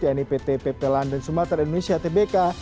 yaitu pt pp london sumatera indonesia tbk